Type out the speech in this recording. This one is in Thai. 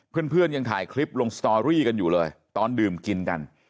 เพื่อนยังถ่ายคลิปลงสตอรี่กันอยู่เลยตอนดื่มกินกัน